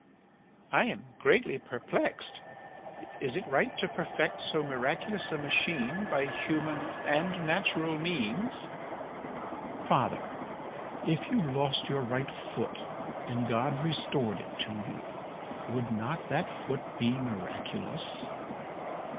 "I am greatly perplexed. Is it right to perfect so miraculous a machine by human and natural means?" "Father, if you lost your right foot and God restored it to you, would not that foot be miraculous?"